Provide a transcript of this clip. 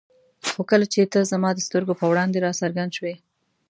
خو کله چې ته زما د سترګو په وړاندې را څرګند شوې.